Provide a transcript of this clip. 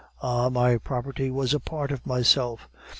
Ah, my property was a part of myself!